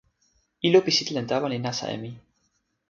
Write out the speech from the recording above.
ilo pi sitelen tawa li nasa e mi.